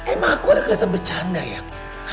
emang aku ada kelihatan bercanda yang